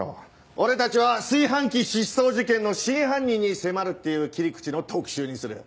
俺たちは「炊飯器失踪事件」の真犯人に迫るっていう切り口の特集にする。